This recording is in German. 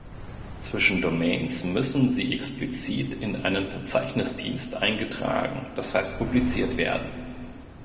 Zwischen Domains müssen sie explizit in einen Verzeichnisdienst eingetragen, das heißt publiziert werden.